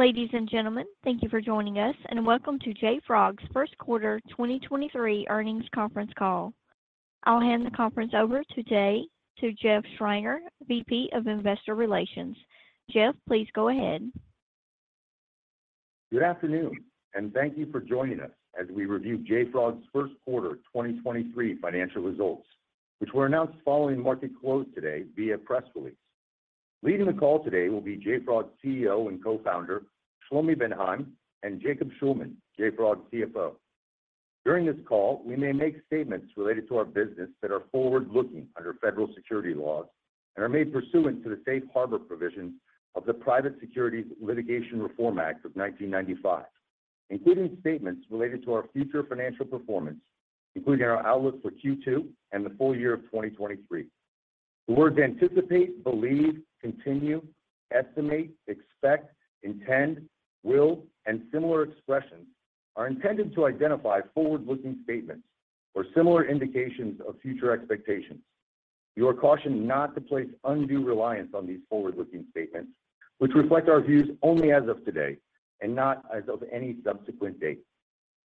Ladies and gentlemen, thank you for joining us, and welcome to JFrog's Q1 2023 earnings conference call. I'll hand the conference over today to Jeff Schreiner, VP of Investor Relations. Jeff, please go ahead. Good afternoon, and thank you for joining us as we review JFrog's Q1 2023 financial results, which were announced following market close today via press release. Leading the call today will be JFrog's CEO and co-founder, Shlomi Ben-Haim, and Jacob Shulman, JFrog's CFO. During this call, we may make statements related to our business that are forward-looking under federal security laws and are made pursuant to the safe harbor provision of the Private Securities Litigation Reform Act of 1995, including statements related to our future financial performance, including our outlook for Q2 and the full year of 2023. The words anticipate, believe, continue, estimate, expect, intend, will, and similar expressions are intended to identify forward-looking statements or similar indications of future expectations. You are cautioned not to place undue reliance on these forward-looking statements, which reflect our views only as of today and not as of any subsequent date.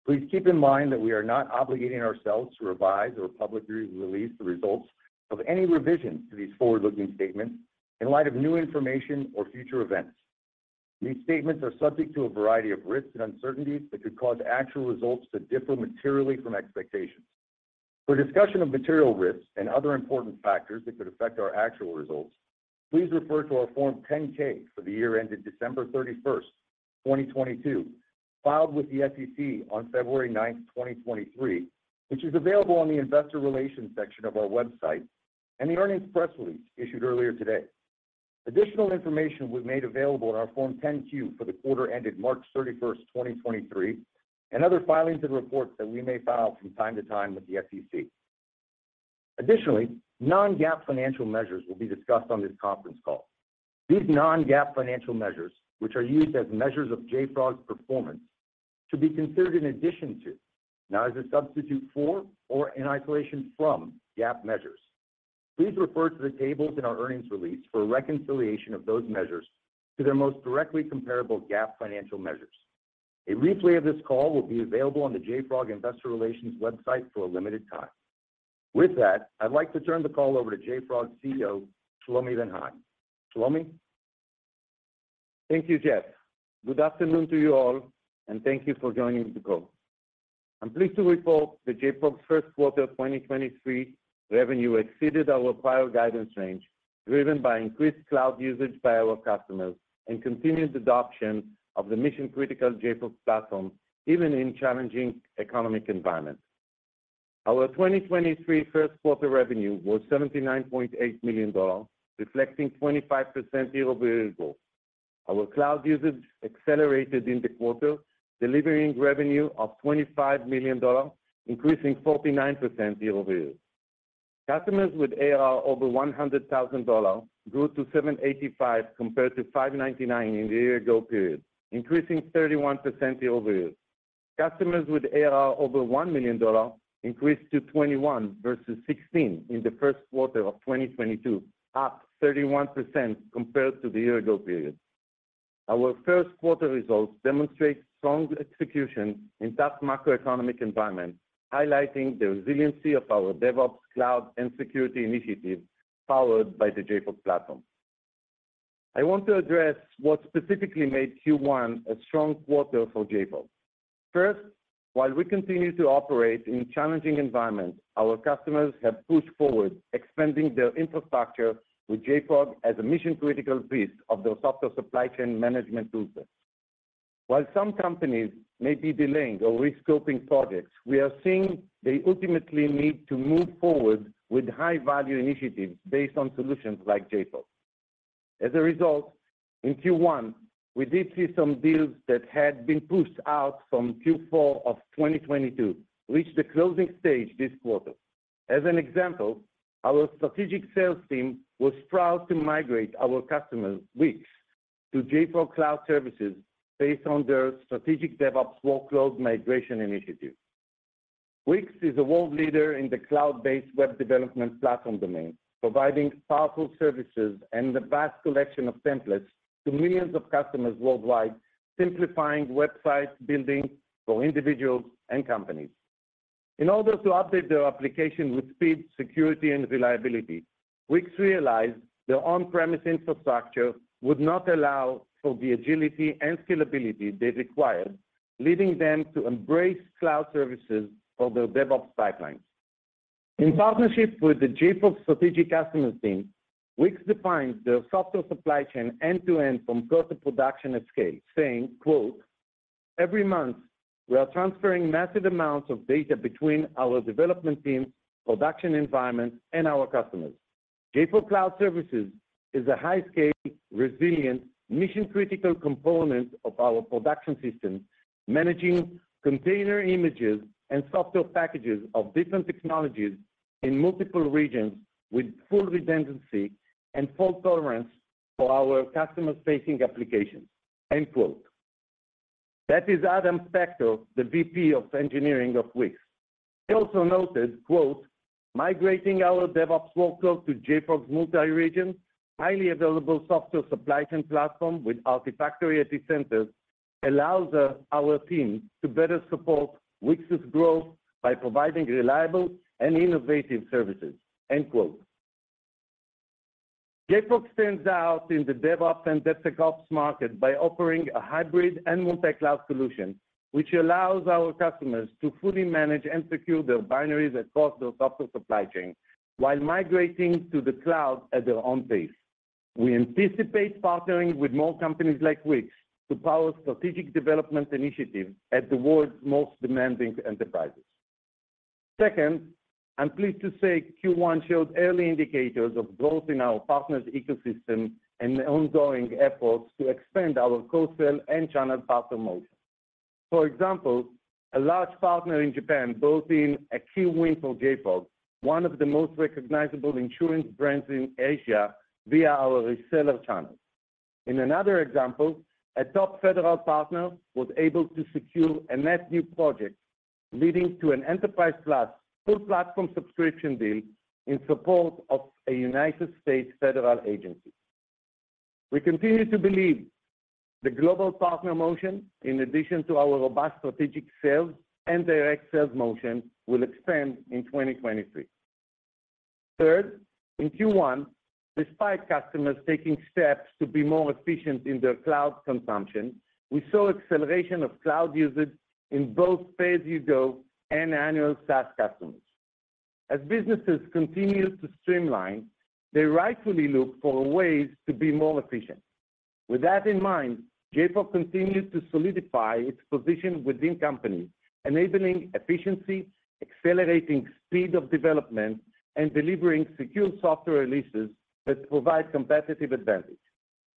Please keep in mind that we are not obligating ourselves to revise or publicly release the results of any revisions to these forward-looking statements in light of new information or future events. These statements are subject to a variety of risks and uncertainties that could cause actual results to differ materially from expectations. For discussion of material risks and other important factors that could affect our actual results, please refer to our Form 10-K for the year ended December 31st, 2022, filed with the SEC on February 9th, 2023, which is available on the investor relations section of our website and the earnings press release issued earlier today. Additional information was made available in our Form 10-Q for the quarter ended March 31, 2023, and other filings and reports that we may file from time to time with the SEC. Additionally, non-GAAP financial measures will be discussed on this conference call. These non-GAAP financial measures, which are used as measures of JFrog's performance, should be considered in addition to, not as a substitute for, or in isolation from GAAP measures. Please refer to the tables in our earnings release for a reconciliation of those measures to their most directly comparable GAAP financial measures. A replay of this call will be available on the JFrog Investor Relations website for a limited time. With that, I'd like to turn the call over to JFrog's CEO, Shlomi Ben Haim. Shlomi. Thank you, Jeff. Good afternoon to you all, and thank you for joining the call. I'm pleased to report that JFrog's Q1 2023 revenue exceeded our prior guidance range, driven by increased cloud usage by our customers and continued adoption of the mission-critical JFrog platform, even in challenging economic environments. Our 2023 Q1 revenue was $79.8 million, reflecting 25% year-over-year growth. Our cloud usage accelerated in the quarter, delivering revenue of $25 million, increasing 49% year-over-year. Customers with ARR over $100,000 grew to 785 compared to 599 in the year ago period, increasing 31% year-over-year. Customers with ARR over $1 million increased to 21 versus 16 in the Q1 of 2022, up 31% compared to the year ago period. Our Q1 results demonstrate strong execution in tough macroeconomic environment, highlighting the resiliency of our DevOps, cloud, and security initiatives powered by the JFrog platform. I want to address what specifically made Q1 a strong quarter for JFrog. First, while we continue to operate in challenging environments, our customers have pushed forward expanding their infrastructure with JFrog as a mission-critical piece of their software supply chain management toolkit. While some companies may be delaying or rescoping projects, we are seeing they ultimately need to move forward with high-value initiatives based on solutions like JFrog. As a result, in Q1, we did see some deals that had been pushed out from Q4 of 2022 reach the closing stage this quarter. As an example, our strategic sales team was proud to migrate our customers, Wix, to JFrog Cloud Services based on their strategic DevOps workload migration initiative. Wix is a world leader in the cloud-based web development platform domain, providing powerful services and a vast collection of templates to millions of customers worldwide, simplifying website building for individuals and companies. In order to update their application with speed, security, and reliability, Wix realized their on-premise infrastructure would not allow for the agility and scalability they required, leading them to embrace cloud services for their DevOps pipeline. In partnership with the JFrog strategic customers team, Wix defines their software supply chain end-to-end from code to production at scale, saying, quote, "Every month, we are transferring massive amounts of data between our development teams, production environments, and our customers. JFrog Cloud Services is a high-scale, resilient, mission-critical component of our production system, managing container images and software packages of different technologies in multiple regions with full redundancy and full tolerance for our customer-facing applications." End quote. That is Adam Spector, the VP of Engineering of Wix. He also noted, quote, "Migrating our DevOps workload to JFrog's multi-region, highly available software supply chain platform with Artifactory at the center allows our team to better support Wix's growth by providing reliable and innovative services." End quote. JFrog stands out in the DevOps and DevSecOps market by offering a hybrid and multi-cloud solution, which allows our customers to fully manage and secure their binaries across their software supply chain while migrating to the cloud at their own pace. We anticipate partnering with more companies like Wix to power strategic development initiatives at the world's most demanding enterprises. Second, I'm pleased to say Q1 showed early indicators of growth in our partners ecosystem and the ongoing efforts to expand our co-sell and channel partner motion. For example, a large partner in Japan brought in a key win for JFrog, one of the most recognizable insurance brands in Asia via our reseller channel. In another example, a top federal partner was able to secure a net new project leading to an enterprise class full platform subscription deal in support of a United States federal agency. We continue to believe the global partner motion, in addition to our robust strategic sales and direct sales motion, will expand in 2023. Third, in Q1, despite customers taking steps to be more efficient in their cloud consumption, we saw acceleration of cloud usage in both pay-as-you-go and annual SaaS customers. As businesses continue to streamline, they rightfully look for ways to be more efficient. With that in mind, JFrog continues to solidify its position within company, enabling efficiency, accelerating speed of development, and delivering secure software releases that provide competitive advantage.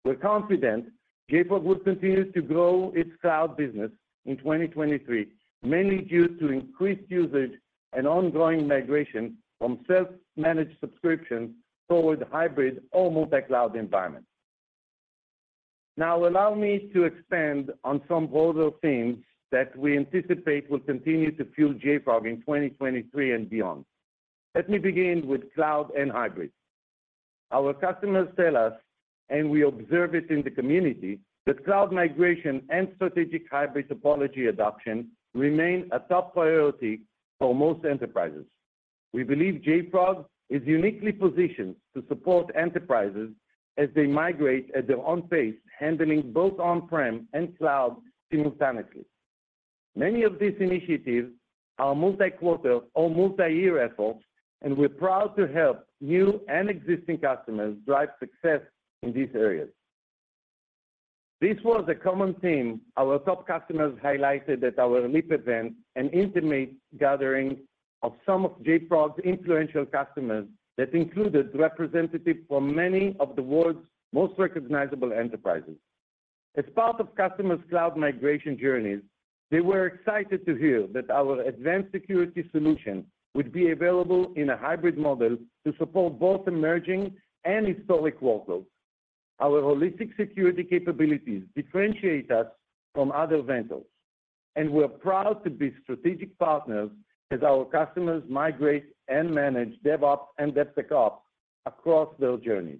We're confident JFrog will continue to grow its cloud business in 2023, mainly due to increased usage and ongoing migration from self-managed subscription toward hybrid or multi-cloud environments. Now allow me to expand on some broader themes that we anticipate will continue to fuel JFrog in 2023 and beyond. Let me begin with cloud and hybrid. Our customers tell us, and we observe it in the community, that cloud migration and strategic hybrid topology adoption remain a top priority for most enterprises. We believe JFrog is uniquely positioned to support enterprises as they migrate at their own pace, handling both on-prem and cloud simultaneously. Many of these initiatives are multi-quarter or multi-year efforts, and we're proud to help new and existing customers drive success in these areas. This was a common theme our top customers highlighted at our LEAP event, an intimate gathering of some of JFrog's influential customers that included representatives from many of the world's most recognizable enterprises. As part of customers' cloud migration journeys, they were excited to hear that our advanced security solution would be available in a hybrid model to support both emerging and historic workloads. Our holistic security capabilities differentiate us from other vendors, and we're proud to be strategic partners as our customers migrate and manage DevOps and DevSecOps across their journeys.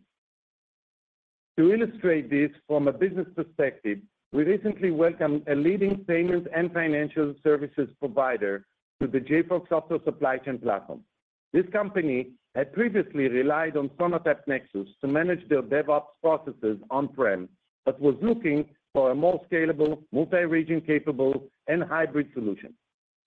To illustrate this from a business perspective, we recently welcomed a leading payment and financial services provider to the JFrog software supply chain platform. This company had previously relied on Sonatype Nexus to manage their DevOps processes on-prem, but was looking for a more scalable, multi-region capable and hybrid solution.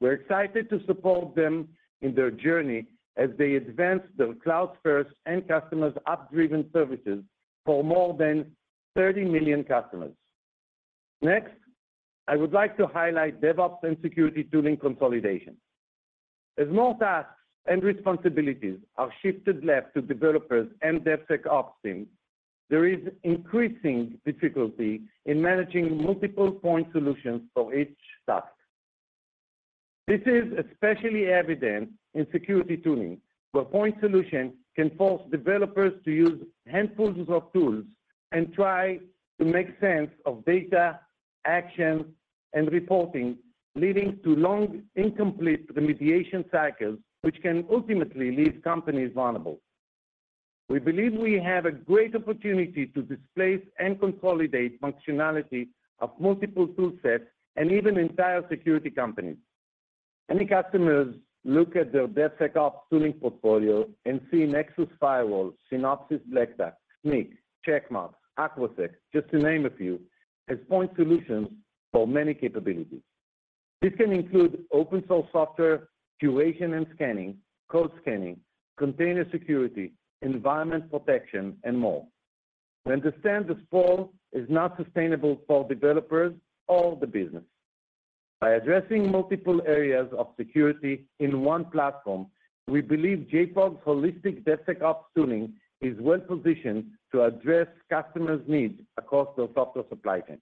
We're excited to support them in their journey as they advance their cloud-first and customers app-driven services for more than 30 million customers. Next, I would like to highlight DevOps and security tooling consolidation. As more tasks and responsibilities are shifted left to developers and DevSecOps teams, there is increasing difficulty in managing multiple point solutions for each task. This is especially evident in security tooling, where point solutions can force developers to use handfuls of tools and try to make sense of data, action, and reporting, leading to long, incomplete remediation cycles, which can ultimately leave companies vulnerable. We believe we have a great opportunity to displace and consolidate functionality of multiple tool sets and even entire security companies. Many customers look at their DevSecOps tooling portfolio and see Nexus Firewall, Synopsys Black Duck, Snyk, Checkmarx, Aqua Security, just to name a few, as point solutions for many capabilities. This can include open source software curation and scanning, code scanning, container security, environment protection, and more. We understand this fall is not sustainable for developers or the business. By addressing multiple areas of security in one platform, we believe JFrog's holistic DevSecOps tooling is well-positioned to address customers' needs across their software supply chain.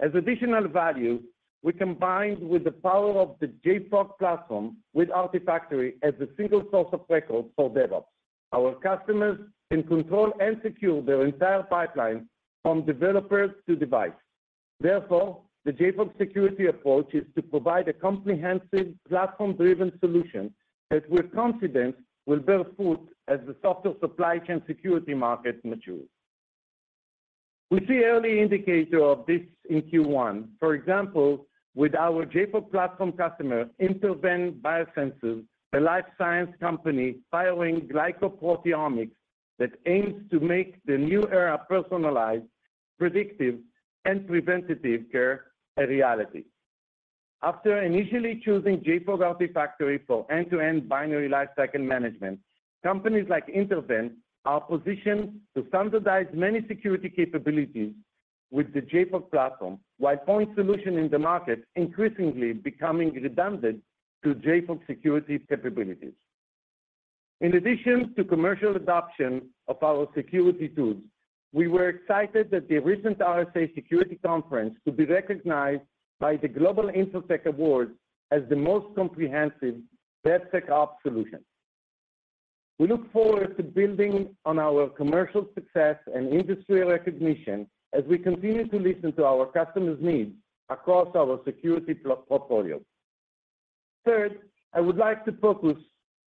As additional value, we combined with the power of the JFrog platform with Artifactory as the single source of record for DevOps. Our customers can control and secure their entire pipeline from developers to device. The JFrog security approach is to provide a comprehensive platform-driven solution that we're confident will bear fruit as the software supply chain security market matures. We see early indicator of this in Q1, for example, with our JFrog Platform customer, InterVenn Biosciences, a life science company pioneering glycoproteomics that aims to make the new era personalized, predictive, and preventative care a reality. After initially choosing JFrog Artifactory for end-to-end binary lifecycle management, companies like InterVenn are positioned to standardize many security capabilities with the JFrog Platform, while point solution in the market increasingly becoming redundant to JFrog security capabilities. In addition to commercial adoption of our security tools, we were excited that the recent RSA Conference to be recognized by the Global InfoSec Awards as the most comprehensive DevSecOps solution. We look forward to building on our commercial success and industry recognition as we continue to listen to our customers' needs across our security portfolio. Third, I would like to focus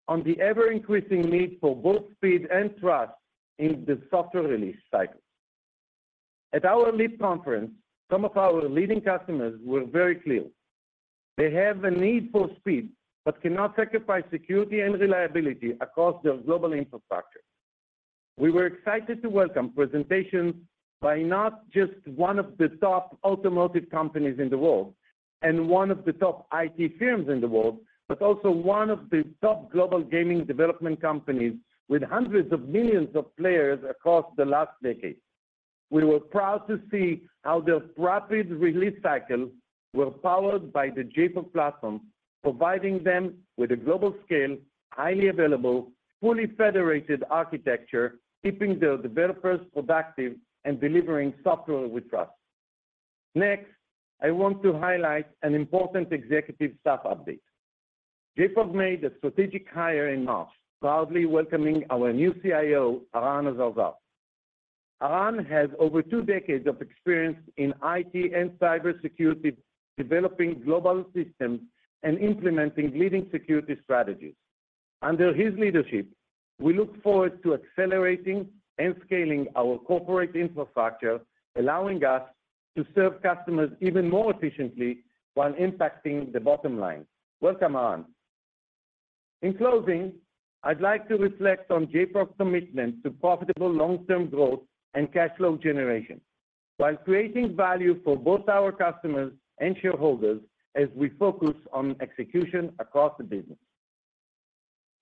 on the ever-increasing need for both speed and trust in the software release cycles. At our LEAP Conference, some of our leading customers were very clear. They have a need for speed, but cannot sacrifice security and reliability across their global infrastructure. We were excited to welcome presentations by not just one of the top automotive companies in the world, and one of the top IT firms in the world, but also one of the top global gaming development companies with hundreds of millions of players across the last decade. We were proud to see how their rapid release cycles were powered by the JFrog platform, providing them with a global scale, highly available, fully federated architecture, keeping their developers productive and delivering software with trust. Next, I want to highlight an important executive staff update. JFrog made a strategic hire in March, proudly welcoming our new CIO, Eran Azarzar. Eran has over two decades of experience in IT and cybersecurity, developing global systems and implementing leading security strategies. Under his leadership, we look forward to accelerating and scaling our corporate infrastructure, allowing us to serve customers even more efficiently while impacting the bottom line. Welcome, Eran. In closing, I'd like to reflect on JFrog's commitment to profitable long-term growth and cash flow generation while creating value for both our customers and shareholders as we focus on execution across the business.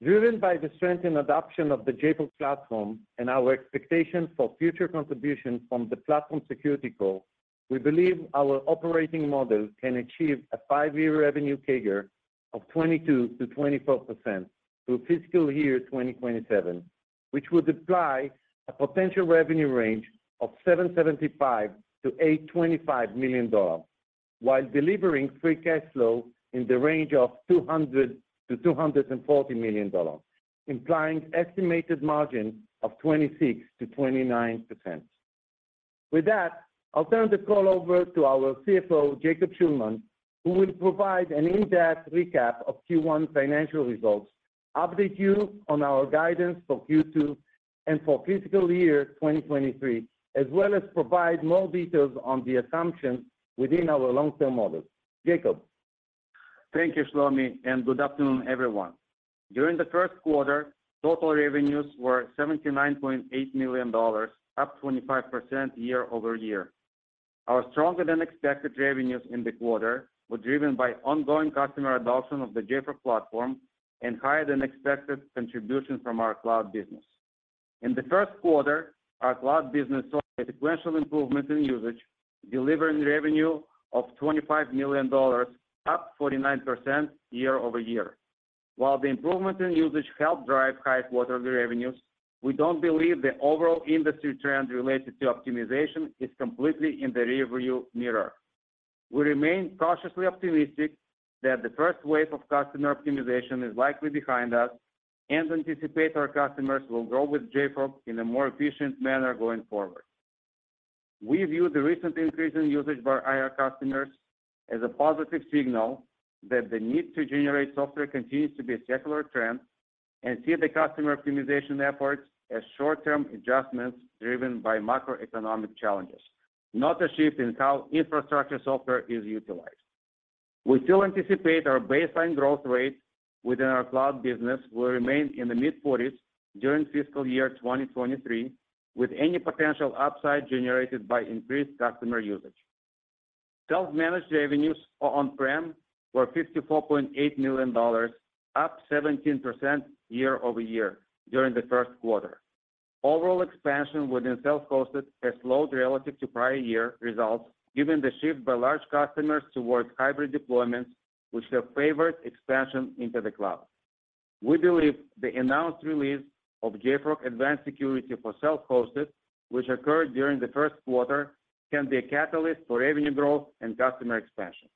Driven by the strength and adoption of the JFrog platform and our expectations for future contributions from the platform security core, we believe our operating model can achieve a five-year revenue CAGR of 22%-24% through fiscal year 2027, which would imply a potential revenue range of $775 million-$825 million, while delivering free cash flow in the range of $200 million-$240 million, implying estimated margin of 26%-29%. With that, I'll turn the call over to our CFO, Jacob Shulman, who will provide an in-depth recap of Q1 financial results, update you on our guidance for Q2 and for fiscal year 2023, as well as provide more details on the assumptions within our long-term models. Jacob. Thank you, Shlomi, good afternoon, everyone. During the Q1, total revenues were $79.8 million, up 25% year-over-year. Our stronger-than-expected revenues in the quarter were driven by ongoing customer adoption of the JFrog platform and higher-than-expected contribution from our cloud business. In the Q1, our cloud business saw a sequential improvement in usage, delivering revenue of $25 million, up 49% year-over-year. While the improvement in usage helped drive high quarterly revenues, we don't believe the overall industry trend related to optimization is completely in the rear view mirror. We remain cautiously optimistic that the first wave of customer optimization is likely behind us and anticipate our customers will grow with JFrog in a more efficient manner going forward. We view the recent increase in usage by our customers as a positive signal that the need to generate software continues to be a secular trend. See the customer optimization efforts as short-term adjustments driven by macroeconomic challenges, not a shift in how infrastructure software is utilized. We still anticipate our baseline growth rate within our cloud business will remain in the mid-forties during fiscal year 2023, with any potential upside generated by increased customer usage. Self-managed revenues or on-prem were $54.8 million, up 17% year-over-year during the Q1. Overall expansion within self-hosted has slowed relative to prior year results, given the shift by large customers towards hybrid deployments, which have favored expansion into the cloud. We believe the announced release of JFrog Advanced Security for self-hosted, which occurred during the Q1, can be a catalyst for revenue growth and customer expansion.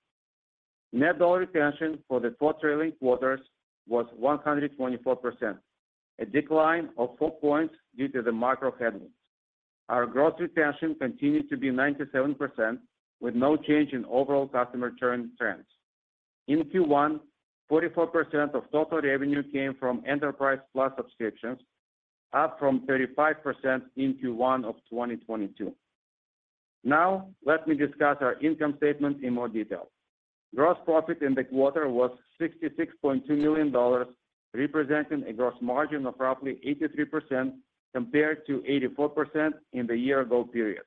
Net dollar retention for the 4 trailing quarters was 124%, a decline of four points due to the macro headwinds. Our gross retention continued to be 97% with no change in overall customer churn trends. In Q1, 44% of total revenue came from Enterprise+ subscriptions, up from 35% in Q1 of 2022. Now let me discuss our income statement in more detail. Gross profit in the quarter was $66.2 million, representing a gross margin of roughly 83% compared to 84% in the year-ago period.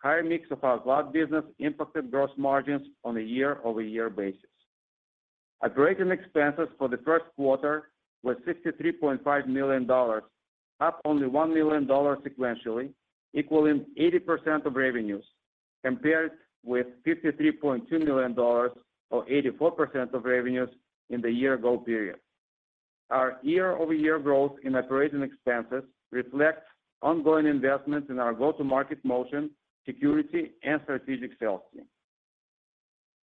Higher mix of our cloud business impacted gross margins on a year-over-year basis. Operating expenses for the Q1 was $63.5 million, up only $1 million sequentially, equaling 80% of revenues compared with $53.2 million or 84% of revenues in the year-ago period. Our year-over-year growth in operating expenses reflects ongoing investments in our go-to-market motion, security, and strategic sales team.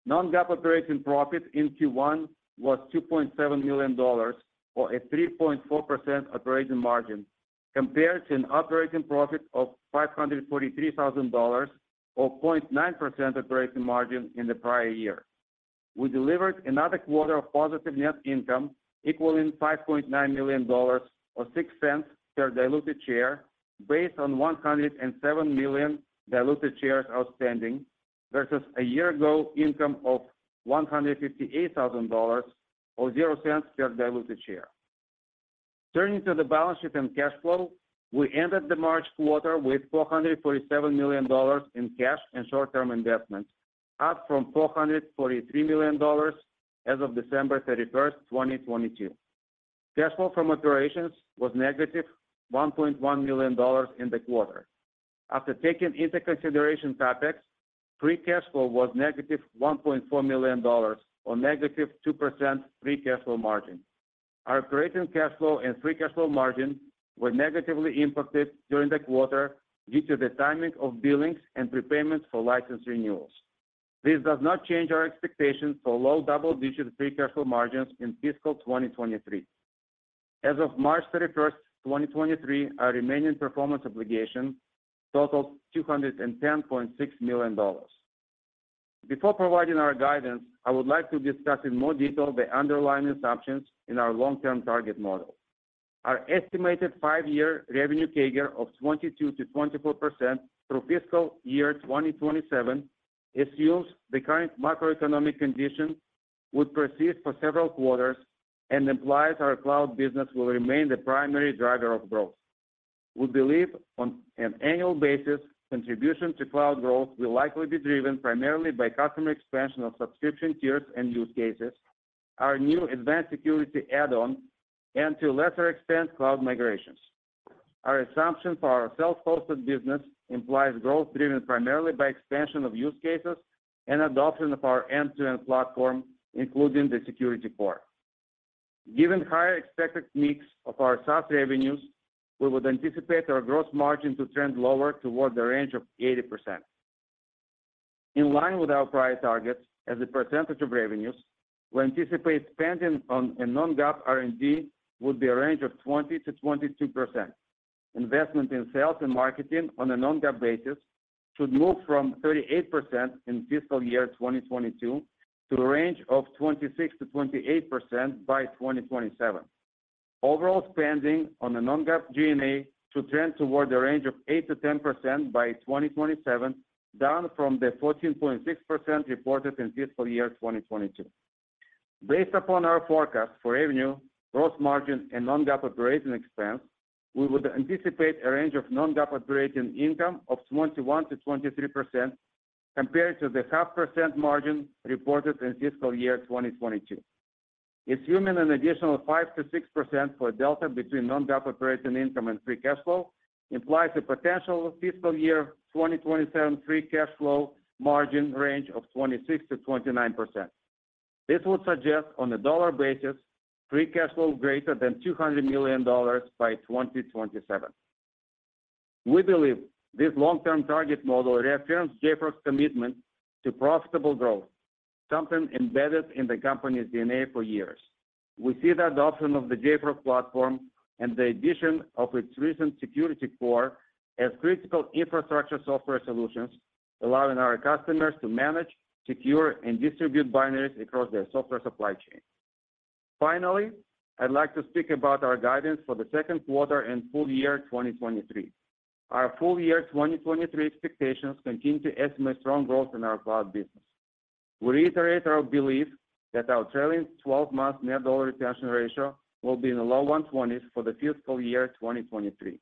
Non-GAAP operating profit in Q1 was $2.7 million or a 3.4% operating margin compared to an operating profit of $543,000 or 0.9% operating margin in the prior year. We delivered another quarter of positive net income equaling $5.9 million or $0.06 per diluted share based on 107 million diluted shares outstanding versus a year-ago income of $158,000 or $0.00 per diluted share. Turning to the balance sheet and cash flow, we ended the March quarter with $447 million in cash and short-term investments, up from $443 million as of December 31, 2022. Cash flow from operations was -$1.1 million in the quarter. After taking into consideration CapEx, free cash flow was -$1.4 million or -2% free cash flow margin. Our operating cash flow and free cash flow margin were negatively impacted during the quarter due to the timing of billings and prepayments for license renewals. This does not change our expectations for low double-digit free cash flow margins in fiscal 2023. As of March 31, 2023, our remaining performance obligations totaled $210.6 million. Before providing our guidance, I would like to discuss in more detail the underlying assumptions in our long-term target model. Our estimated five-year revenue CAGR of 22%-24% through fiscal year 2027 assumes the current macroeconomic conditions would persist for several quarters and implies our cloud business will remain the primary driver of growth. We believe on an annual basis, contribution to cloud growth will likely be driven primarily by customer expansion of subscription tiers and use cases, our new advanced security add-on, and to a lesser extent, cloud migrations. Our assumption for our self-hosted business implies growth driven primarily by expansion of use cases and adoption of our end-to-end platform, including the security core. Given higher expected mix of our SaaS revenues, we would anticipate our gross margin to trend lower toward the range of 80%. In line with our prior targets as a percentage of revenues, we anticipate spending on a non-GAAP R&D would be a range of 20%-22%. Investment in sales and marketing on a non-GAAP basis should move from 38% in fiscal year 2022 to a range of 26%-28% by 2027. Overall spending on a non-GAAP G&A should trend toward a range of 8%-10% by 2027, down from the 14.6% reported in fiscal year 2022. Based upon our forecast for revenue, gross margin, and non-GAAP operating expense, we would anticipate a range of non-GAAP operating income of 21%-23% compared to the 0.5% margin reported in fiscal year 2022. Assuming an additional 5%-6% for delta between non-GAAP operating income and free cash flow implies a potential fiscal year 2027 free cash flow margin range of 26%-29%. This would suggest, on a dollar basis, free cash flow greater than $200 million by 2027. We believe this long-term target model reaffirms JFrog's commitment to profitable growth, something embedded in the company's DNA for years. We see the adoption of the JFrog platform and the addition of its recent security core as critical infrastructure software solutions, allowing our customers to manage, secure, and distribute binaries across their software supply chain. I'd like to speak about our guidance for the Q2 and full year 2023. Our full year 2023 expectations continue to estimate strong growth in our cloud business. We reiterate our belief that our trailing 12-month net dollar retention will be in the low 120s for the fiscal year 2023.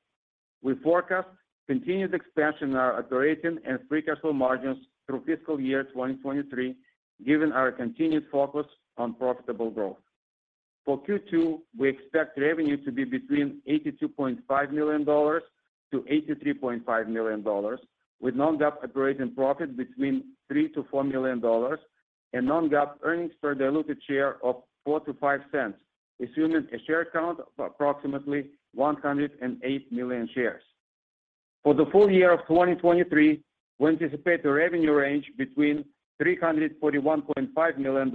We forecast continued expansion in our operating and free cash flow margins through fiscal year 2023, given our continued focus on profitable growth. For Q2, we expect revenue to be between $82.5 million-$83.5 million, with non-GAAP operating profit between $3 million-$4 million and non-GAAP earnings per diluted share of 4-5 cents, assuming a share count of approximately 108 million shares. For the full year of 2023, we anticipate the revenue range between $341.5 million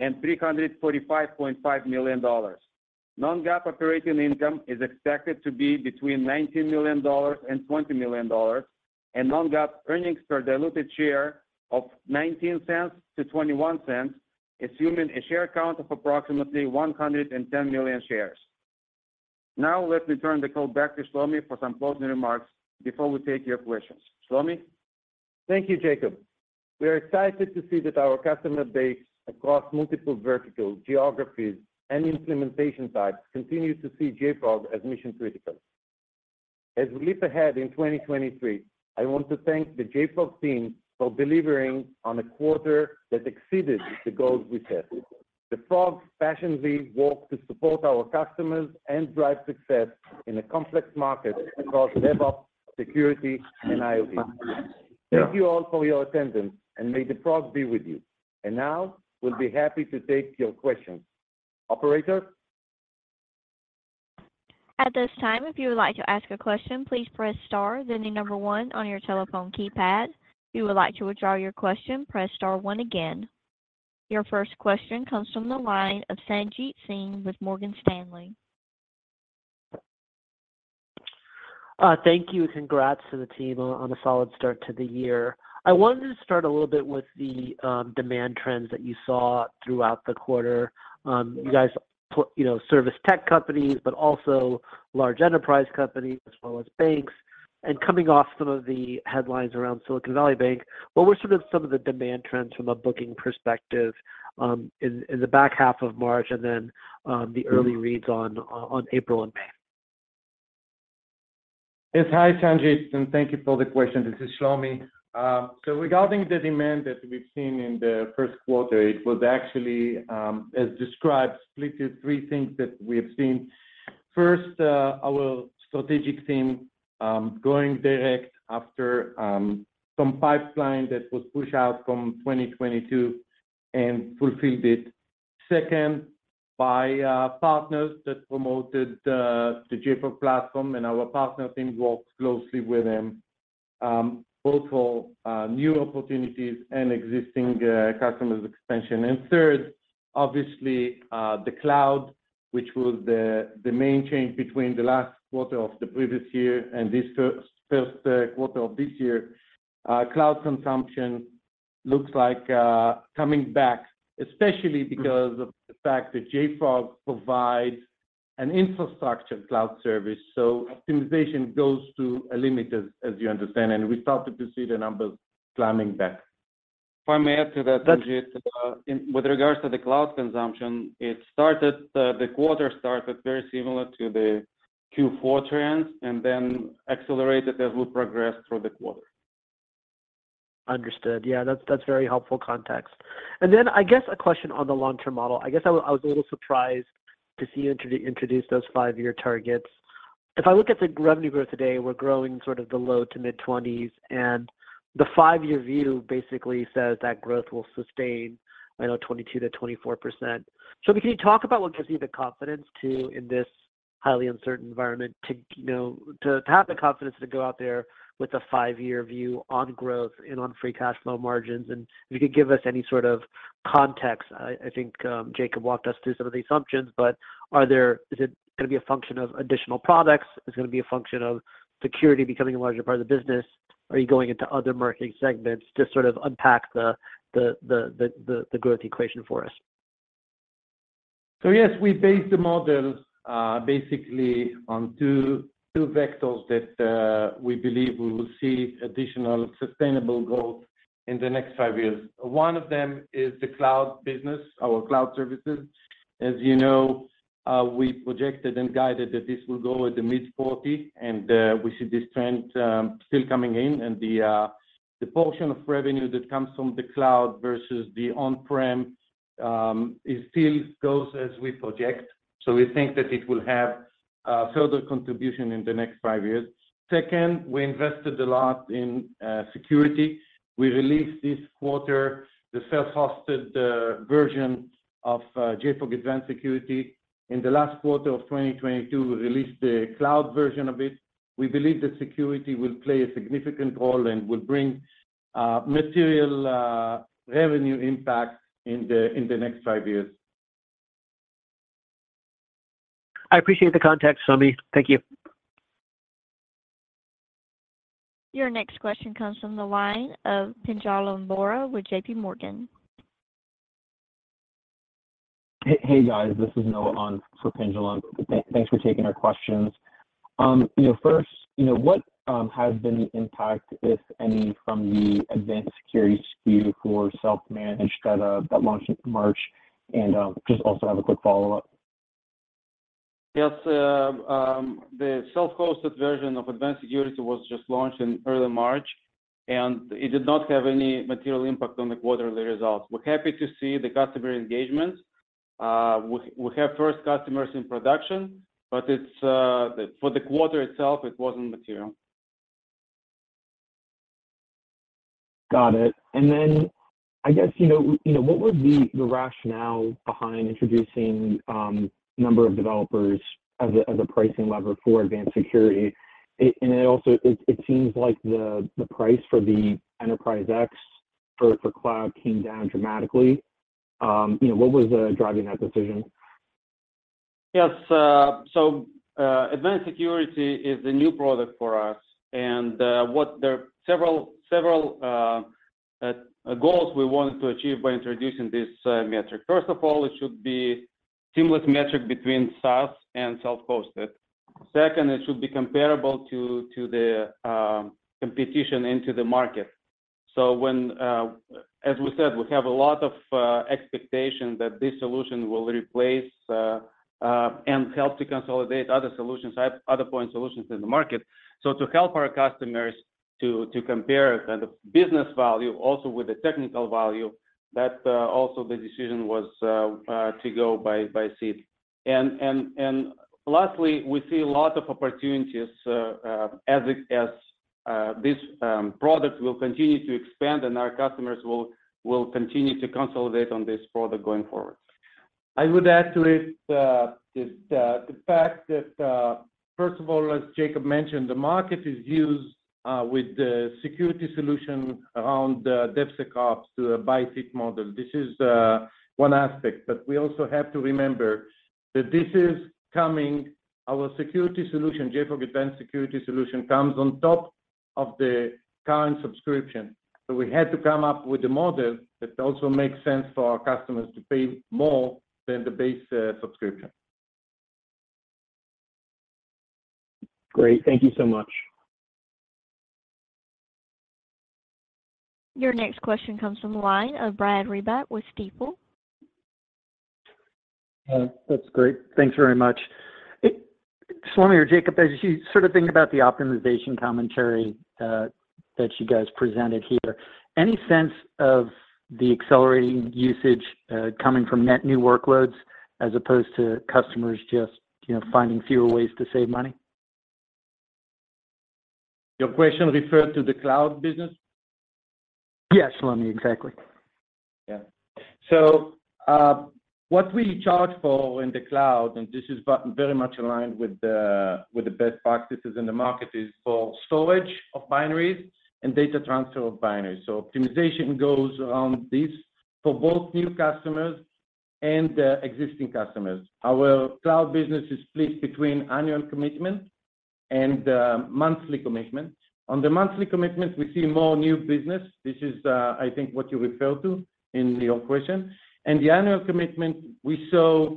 and $345.5 million. Non-GAAP operating income is expected to be between $19 million and $20 million, and non-GAAP earnings per diluted share of $0.19-$0.21, assuming a share count of approximately 110 million shares. Let me turn the call back to Shlomi for some closing remarks before we take your questions. Shlomi? Thank you, Jacob. We are excited to see that our customer base across multiple verticals, geographies, and implementation types continue to see JFrog as mission critical. As we leap ahead in 2023, I want to thank the JFrog team for delivering on a quarter that exceeded the goals we set. The Frogs passionately work to support our customers and drive success in a complex market across DevOps, security, and IoT. Thank you all for your attendance, and may the frogs be with you. Now we'll be happy to take your questions. Operator? At this time, if you would like to ask a question, please press star then the number one on your telephone keypad. If you would like to withdraw your question, press star one again. Your first question comes from the line of Sanjit Singh with Morgan Stanley. Thank you. Congrats to the team on a solid start to the year. I wanted to start a little bit with the demand trends that you saw throughout the quarter. You guys put, you know, service tech companies, but also large enterprise companies as well as banks. Coming off some of the headlines around Silicon Valley Bank, what were sort of some of the demand trends from a booking perspective, in the back half of March and then the early reads on April and May? Yes. Hi, Sanjit, and thank you for the question. This is Shlomi. Regarding the demand that we've seen in the Q1, it was actually, as described, split in three things that we have seen. First, our strategic team going direct after some pipeline that was pushed out from 2022 and fulfilled it. Second, by partners that promoted the JFrog platform, and our partner team works closely with them, both for new opportunities and existing customers expansion. Third, obviously, the cloud, which was the main change between the last quarter of the previous year and this Q1 of this year. Cloud consumption looks like coming back, especially because of the fact that JFrog provides an infrastructure cloud service, so optimization goes to a limit as you understand, and we started to see the numbers climbing back. If I may add to that, Sanjit. That's- With regards to the cloud consumption, it started, the quarter started very similar to the Q4 trends and then accelerated as we progressed through the quarter. Understood. Yeah, that's very helpful context. Then I guess a question on the long-term model. I guess I was a little surprised to see you introduce those five-year targets. If I look at the revenue growth today, we're growing sort of the low to mid-20s, and the five-year view basically says that growth will sustain, I know, 22%-24%. Can you talk about what gives you the confidence to, in this highly uncertain environment, to, you know, to have the confidence to go out there with a five-year view on growth and on free cash flow margins? If you could give us any sort of context. I think Jacob walked us through some of the assumptions, but is it gonna be a function of additional products? Is it gonna be a function of security becoming a larger part of the business? Are you going into other marketing segments? Just sort of unpack the growth equation for us. Yes, we base the models, basically on two vectors that we believe we will see additional sustainable growth in the next five years. One of them is the cloud business, our cloud services. As you know, we projected and guided that this will go at the mid-40%, and we see this trend still coming in. The portion of revenue that comes from the cloud versus the on-prem, it still goes as we project, so we think that it will have further contribution in the next five years. Second, we invested a lot in security. We released this quarter the self-hosted version of JFrog Advanced Security. In the last quarter of 2022, we released the cloud version of it. We believe that security will play a significant role and will bring, material, revenue impact in the next five years. I appreciate the context, Shlomi. Thank you. Your next question comes from the line of Pinjalim Bora with J.P. Morgan. Hey, guys. This is Noah on for Pinjalim. Thanks for taking our questions. You know, first, you know, what has been the impact, if any, from the Advanced Security SKU for self-managed that launched in March? Just also have a quick follow-up. Yes. The self-hosted version of Advanced Security was just launched in early March, and it did not have any material impact on the quarterly results. We're happy to see the customer engagement. We have first customers in production, but it's for the quarter itself, it wasn't material. Got it. Then I guess, you know, what would be the rationale behind introducing number of developers as a pricing lever for advanced security? It also seems like the price for the Enterprise X for cloud came down dramatically. You know, what was driving that decision? Yes. Advanced Security is a new product for us, and there are several goals we wanted to achieve by introducing this metric. First of all, it should be seamless metric between SaaS and self-hosted. Second, it should be comparable to the competition into the market. When, as we said, we have a lot of expectation that this solution will replace and help to consolidate other solutions, other point solutions in the market. To help our customers to compare the business value also with the technical value, that also the decision was to go buy seat. Lastly, we see a lot of opportunities as this product will continue to expand, and our customers will continue to consolidate on this product going forward. I would add to it the fact that, first of all, as Jacob mentioned, the market is used with the security solution around the DevSecOps to a buy seat model. This is one aspect, but we also have to remember that this is coming. Our security solution, JFrog Advanced Security solution, comes on top of the current subscription. We had to come up with a model that also makes sense for our customers to pay more than the base subscription. Great. Thank you so much. Your next question comes from the line of Brad Reback with Stifel. That's great. Thanks very much. Shlomi or Jacob, as you sort of think about the optimization commentary that you guys presented here, any sense of the accelerating usage coming from net new workloads as opposed to customers just, you know, finding fewer ways to save money? Your question referred to the cloud business? Yeah, Shlomi. Exactly. What we charge for in the cloud, and this is very much aligned with the best practices in the market, is for storage of binaries and data transfer of binaries. Optimization goes around this for both new customers and existing customers. Our cloud business is split between annual commitment and monthly commitment. On the monthly commitment, we see more new business, which is, I think what you referred to in your question. The annual commitment, we saw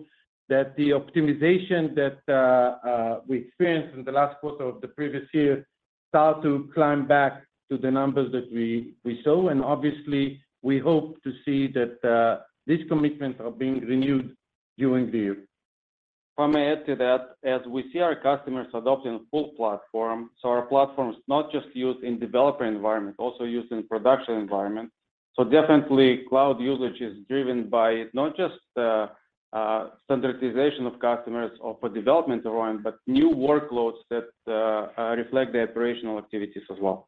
that the optimization that we experienced in the last quarter of the previous year start to climb back to the numbers that we saw. Obviously, we hope to see that these commitments are being renewed during the year. If I may add to that, as we see our customers adopting full platform, so our platform is not just used in developer environment, also used in production environment. Definitely cloud usage is driven by not just standardization of customers or for development environment, but new workloads that reflect the operational activities as well.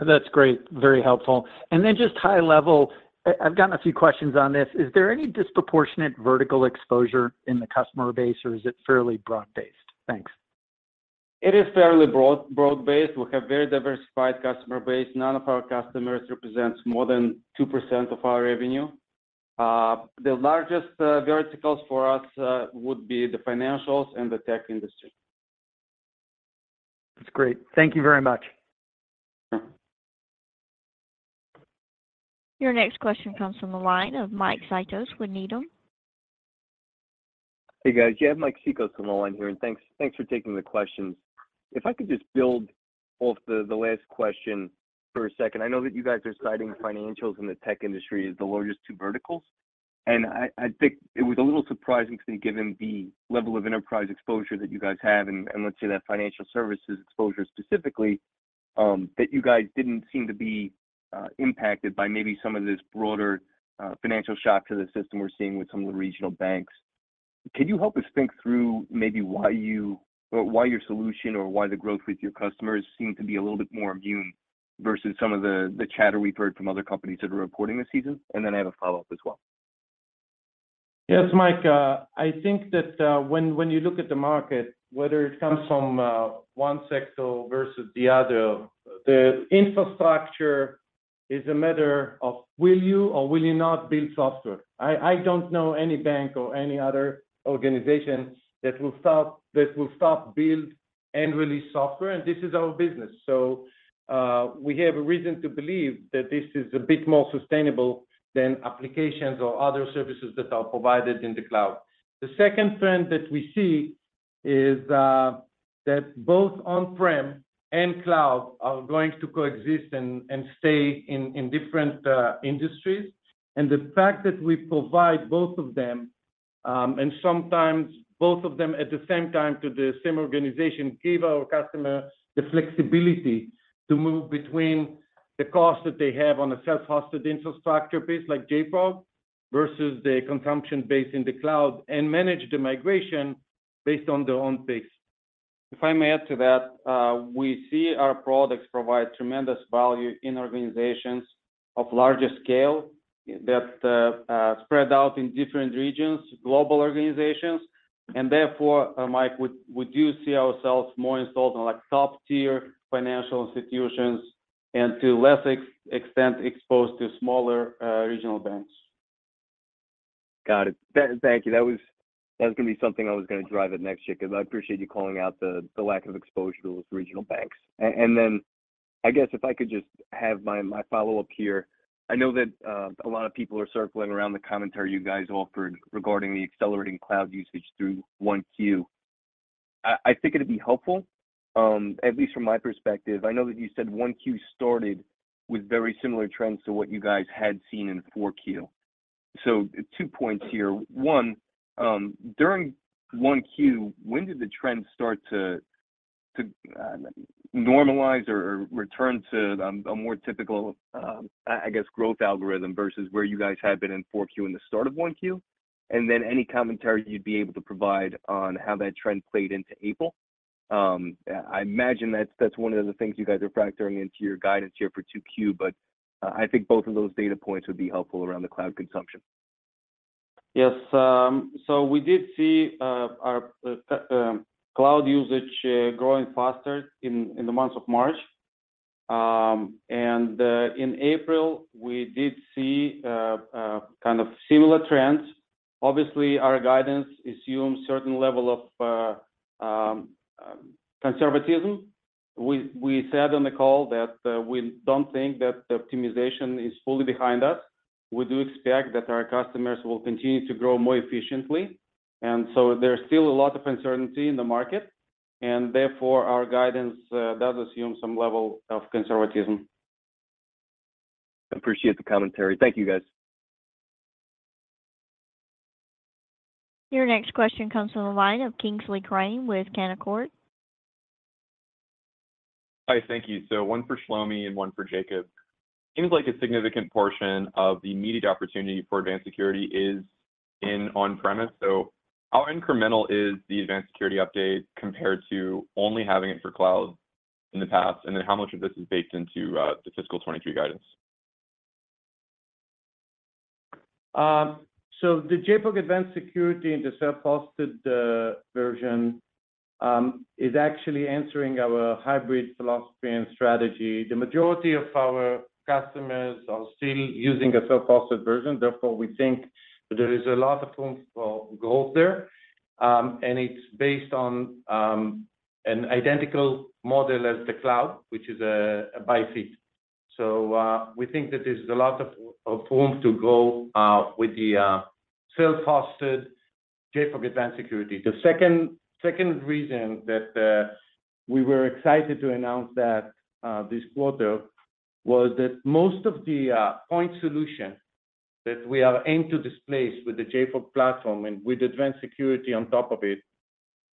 That's great. Very helpful. Then just high level, I've gotten a few questions on this. Is there any disproportionate vertical exposure in the customer base, or is it fairly broad-based? Thanks. It is fairly broad-based. We have very diversified customer base. None of our customers represents more than 2% of our revenue. The largest verticals for us would be the financials and the tech industry. That's great. Thank you very much. Your next question comes from the line of Mike Cikos with Needham. Hey, guys. You have Mike Cikos on the line here, thanks for taking the questions. If I could just build off the last question for a second. I know that you guys are citing financials in the tech industry as the largest two verticals, I think it was a little surprising given the level of enterprise exposure that you guys have, let's say that financial services exposure specifically, that you guys didn't seem to be impacted by maybe some of this broader financial shock to the system we're seeing with some of the regional banks. Can you help us think through maybe why you or why your solution or why the growth with your customers seem to be a little bit more immune versus some of the chatter we've heard from other companies that are reporting this season? I have a follow-up as well. Yes, Mike. I think that, when you look at the market, whether it comes from, one sector versus the other, the infrastructure is a matter of will you or will you not build software. I don't know any bank or any other organization that will stop build and release software, and this is our business. We have a reason to believe that this is a bit more sustainable than applications or other services that are provided in the cloud. The second trend that we see is that both on-prem and cloud are going to coexist and stay in different industries. The fact that we provide both of them, and sometimes both of them at the same time to the same organization, give our customers the flexibility to move between the cost that they have on a self-hosted infrastructure base like JFrog versus the consumption-based in the cloud, and manage the migration based on their own pace. If I may add to that, we see our products provide tremendous value in organizations of larger scale that are spread out in different regions, global organizations. Therefore, Mike, we do see ourselves more installed on like top-tier financial institutions and to a less extent exposed to smaller, regional banks. Got it. Thank you. That was gonna be something I was gonna drive at next, Jacob. I appreciate you calling out the lack of exposure with regional banks. Then I guess if I could just have my follow-up here. I know that a lot of people are circling around the commentary you guys offered regarding the accelerating cloud usage through one Q. I think it'd be helpful, at least from my perspective, I know that you said one Q started with very similar trends to what you guys had seen in four Q. Two points here. One, during one Q, when did the trend start to normalize or return to a more typical, I guess growth algorithm versus where you guys had been in four Q and the start of one Q? Any commentary you'd be able to provide on how that trend played into April. I imagine that's one of the things you guys are factoring into your guidance here for 2Q. I think both of those data points would be helpful around the cloud consumption. see, uh, our, uh, cloud usage, uh, growing faster in the month of March. And in April, we did see kind of similar trends. Obviously, our guidance assumes certain level of conservatism. We said on the call that we don't think that the optimization is fully behind us. We do expect that our customers will continue to grow more efficiently, and so there's still a lot of uncertainty in the market, and therefore, our guidance does assume some level of conservatism. Appreciate the commentary. Thank you, guys. Your next question comes from the line of Kingsley Crane with Canaccord. Hi, thank you. One for Shlomi and one for Jacob. Seems like a significant portion of the immediate opportunity for Advanced Security is in on-premise. How incremental is the Advanced Security update compared to only having it for cloud in the past? How much of this is baked into the fiscal 23 guidance? The JFrog Advanced Security and the self-hosted version is actually answering our hybrid philosophy and strategy. The majority of our customers are still using a self-hosted version, therefore, we think there is a lot of room for growth there. It's based on an identical model as the cloud, which is a by seat. We think that there's a lot of room to go with the self-hosted JFrog Advanced Security. The second reason that we were excited to announce that this quarter was that most of the point solution that we are aimed to displace with the JFrog platform and with Advanced Security on top of it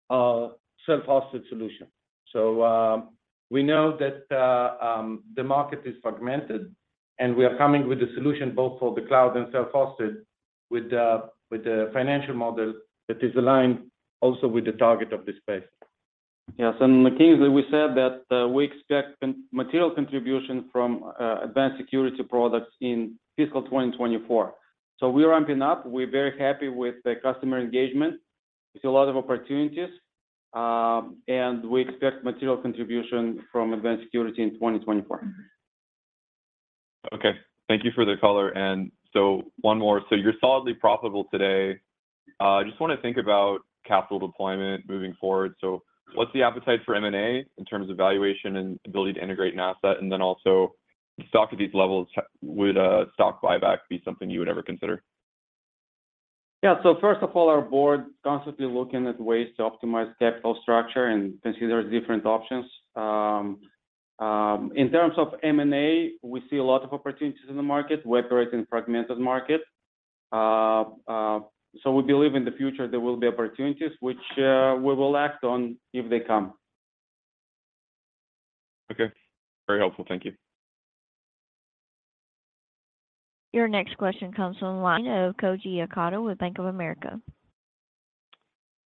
are self-hosted solution. We know that the market is fragmented, and we are coming with a solution both for the cloud and self-hosted with the financial model that is aligned also with the target of this space. Yes. Kingsley, we said that, we expect material contribution from Advanced Security products in fiscal 2024. We're ramping up. We're very happy with the customer engagement. We see a lot of opportunities, we expect material contribution from Advanced Security in 2024. Okay. Thank you for the color. One more. You're solidly profitable today. Just wanna think about capital deployment moving forward. What's the appetite for M&A in terms of valuation and ability to integrate an asset? Also stock at these levels, would a stock buyback be something you would ever consider? Yeah. First of all, our board is constantly looking at ways to optimize capital structure and consider different options. In terms of M&A, we see a lot of opportunities in the market. We operate in a fragmented market. We believe in the future there will be opportunities which we will act on if they come. Okay. Very helpful. Thank you. Your next question comes from the line of Koji Ikeda with Bank of America.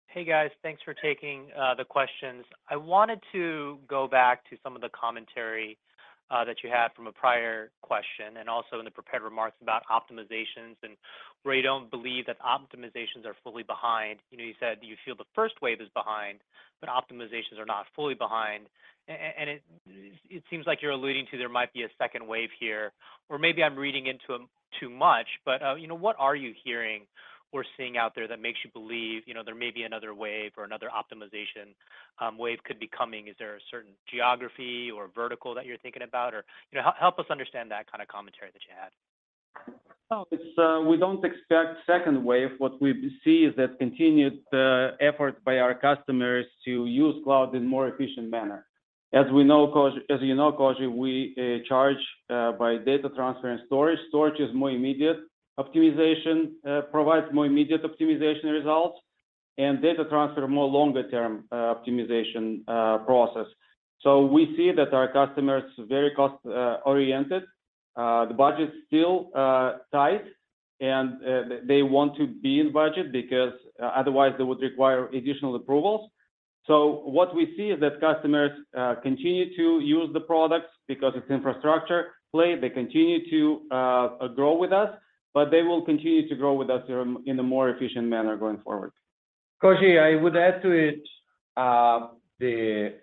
Hey, guys. Thanks for taking the questions. I wanted to go back to some of the commentary that you had from a prior question and also in the prepared remarks about optimizations and where you don't believe that optimizations are fully behind. You know, you said you feel the first wave is behind, but optimizations are not fully behind. It seems like you're alluding to there might be a second wave here, or maybe I'm reading into them too much. You know, what are you hearing or seeing out there that makes you believe, you know, there may be another wave or another optimization wave could be coming? Is there a certain geography or vertical that you're thinking about? You know, help us understand that kind of commentary that you had. No, it's, we don't expect second wave. What we see is that continued effort by our customers to use cloud in more efficient manner. As you know, Koji, we charge by data transfer and storage. Storage is more immediate optimization, provides more immediate optimization results. And data transfer more longer term optimization process. We see that our customers very cost oriented. The budget's still tight and they want to be in budget because otherwise they would require additional approvals. What we see is that customers continue to use the products because it's infrastructure play. They continue to grow with us, but they will continue to grow with us in a more efficient manner going forward. Koji, I would add to it, the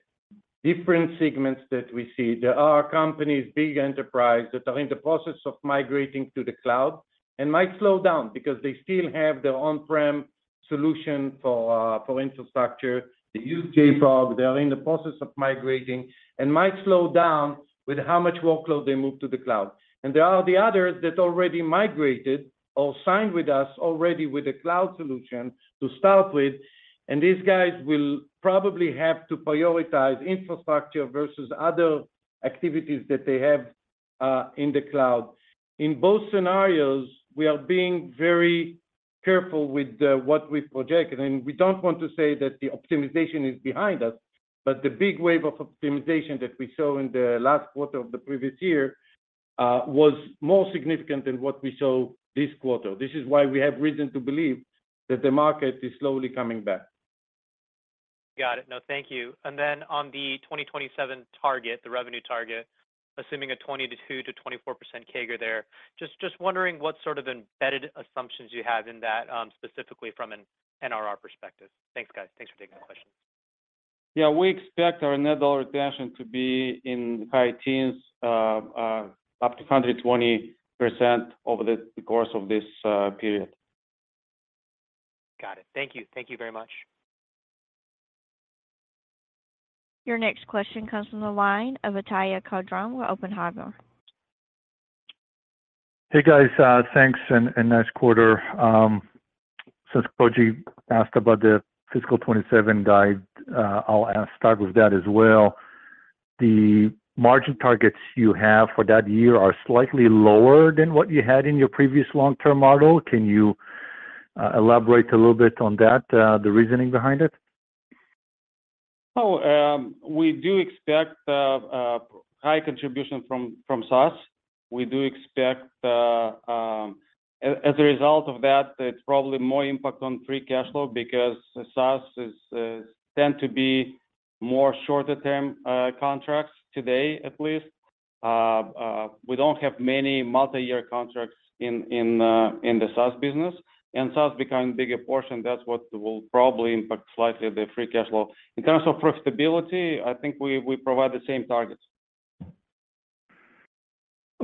different segments that we see. There are companies, big enterprise, that are in the process of migrating to the cloud and might slow down because they still have their on-prem solution for infrastructure. They use JFrog, they are in the process of migrating and might slow down with how much workload they move to the cloud. There are the others that already migrated or signed with us already with a cloud solution to start with, and these guys will probably have to prioritize infrastructure versus other activities that they have, in the cloud. In both scenarios, we are being very careful with, what we project. We don't want to say that the optimization is behind us, but the big wave of optimization that we saw in the last quarter of the previous year, was more significant than what we saw this quarter. This is why we have reason to believe that the market is slowly coming back. Got it. No, thank you. On the 2027 target, the revenue target, assuming a 20 to 2 to 24% CAGR there. Just wondering what sort of embedded assumptions you have in that, specifically from an NRR perspective. Thanks, guys. Thanks for taking my question. We expect our net dollar expansion to be in high teens, up to 120% over the course of this period. Got it. Thank you. Thank you very much. Your next question comes from the line of Ittai Kidron with Oppenheimer. Hey, guys. Thanks. Nice quarter. Since Koji asked about the fiscal 2027 guide, I'll start with that as well. The margin targets you have for that year are slightly lower than what you had in your previous long-term model. Can you elaborate a little bit on that, the reasoning behind it? High contribution from SaaS. We do expect, as a result of that, it's probably more impact on free cash flow because SaaS is tend to be more shorter term contracts today, at least. We don't have many multi-year contracts in the SaaS business, and SaaS becoming bigger portion, that's what will probably impact slightly the free cash flow. In terms of profitability, I think we provide the same targets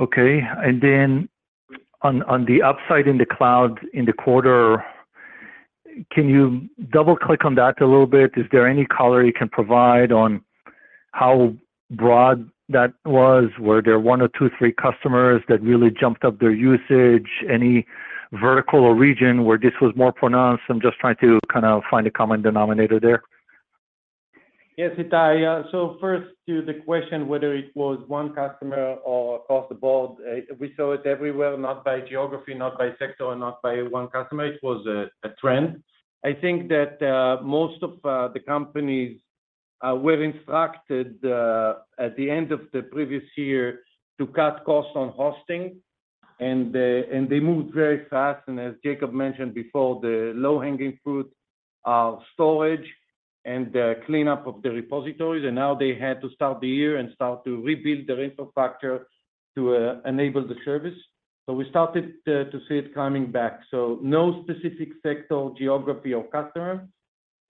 Okay. On, on the upside in the cloud in the quarter, can you double-click on that a little bit? Is there any color you can provide on how broad that was? Were there one or two, three customers that really jumped up their usage? Any vertical or region where this was more pronounced? I'm just trying to kind of find a common denominator there. Yes, Ittai. So first to the question whether it was one customer or across the board, we saw it everywhere, not by geography, not by sector, and not by one customer. It was a trend. I think that most of the companies were instructed at the end of the previous year to cut costs on hosting, and they moved very fast. As Jacob mentioned before, the low-hanging fruit, storage and the cleanup of the repositories, and now they had to start the year and start to rebuild their infrastructure to enable the service. We started to see it coming back. No specific sector or geography or customer.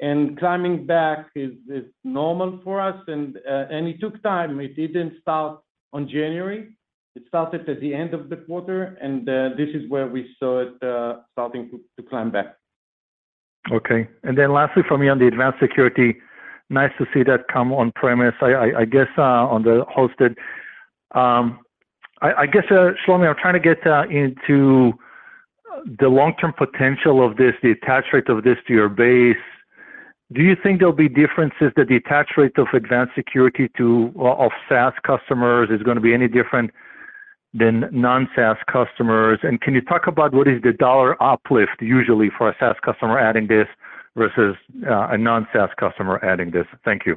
Climbing back is normal for us. It took time. It didn't start on January. It started at the end of the quarter, and this is where we saw it starting to climb back. Lastly for me on the Advanced Security, nice to see that come on premise. I guess on the hosted. I guess Shlomi, I'm trying to get into the long-term potential of this, the attach rate of this to your base. Do you think there'll be differences that the attach rate of Advanced Security to of SaaS customers is gonna be any different than non-SaaS customers? Can you talk about what is the dollar uplift usually for a SaaS customer adding this versus a non-SaaS customer adding this? Thank you.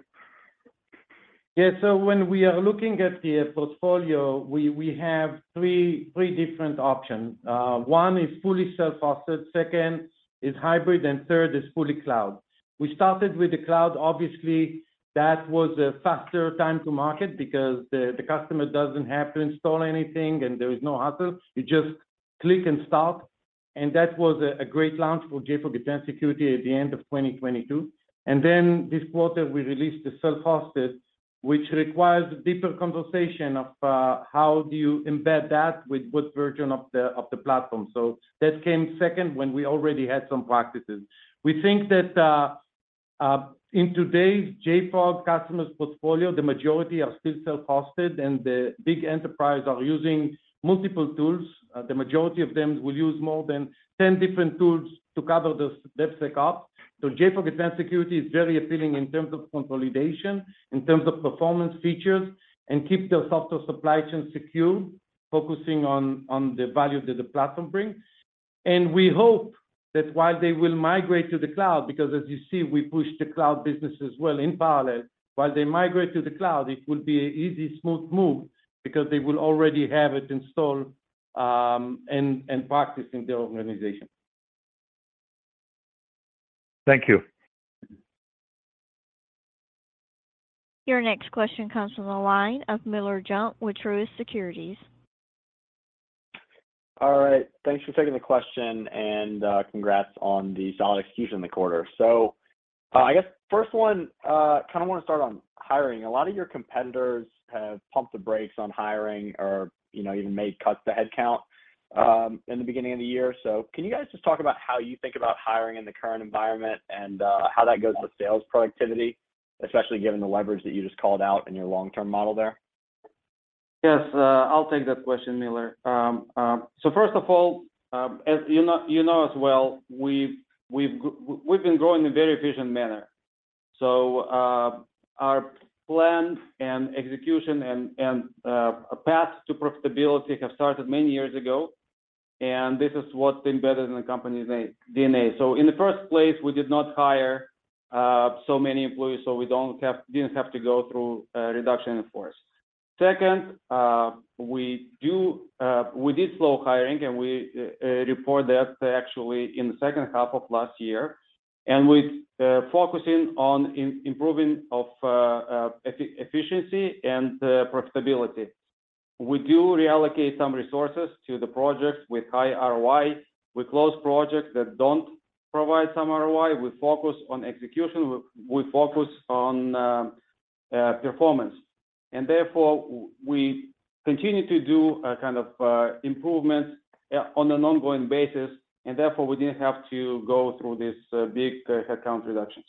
When we are looking at the portfolio, we have three different options. One is fully self-hosted, second is hybrid, and third is fully cloud. We started with the cloud. Obviously that was a faster time to market because the customer doesn't have to install anything and there is no hassle. You just click and start. That was a great launch for JFrog Advanced Security at the end of 2022. This quarter we released the self-hosted, which requires deeper conversation of how do you embed that with what version of the platform. That came second when we already had some practices. We think that in today's JFrog customers portfolio, the majority are still self-hosted, and the big enterprise are using multiple tools. The majority of them will use more than 10 different tools to cover this DevSecOps. JFrog Advanced Security is very appealing in terms of consolidation, in terms of performance features, and keep their software supply chain secure. Focusing on the value that the platform brings. We hope that while they will migrate to the cloud, because as you see, we push the cloud business as well in parallel. While they migrate to the cloud, it will be a easy, smooth move because they will already have it installed, and practicing their organization. Thank you. Your next question comes from the line of Miller Jump with Truist Securities. All right. Thanks for taking the question and congrats on the solid execution in the quarter. I guess first one, kinda wanna start on hiring. A lot of your competitors have pumped the brakes on hiring or, you know, even made cuts to headcount in the beginning of the year. Can you guys just talk about how you think about hiring in the current environment and how that goes with sales productivity, especially given the leverage that you just called out in your long-term model there? Yes. I'll take that question, Miller. First of all, as you know as well, we've been growing in a very efficient manner. Our plans and execution and path to profitability have started many years ago, and this is what's embedded in the company's DNA. In the first place, we did not hire so many employees, so we didn't have to go through a reduction in force. Second, we do, we did slow hiring, and we report that actually in the H2 of last year. We focusing on improving of efficiency and profitability. We do reallocate some resources to the projects with high ROI. We close projects that don't provide some ROI. We focus on execution. We focus on performance, and therefore we continue to do a kind of improvements on an ongoing basis, and therefore, we didn't have to go through this big headcount reductions.